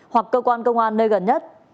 hoặc cơ quan công an nơi gần nhất